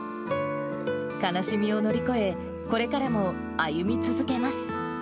悲しみを乗り越え、これからも歩み続けます。